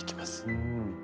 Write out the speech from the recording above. うん。